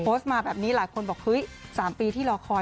โพสต์มาแบบนี้หลายคนบอกเฮ้ย๓ปีที่รอคอย